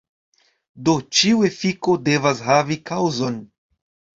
Do, ĉiu efiko devas havi kaŭzon.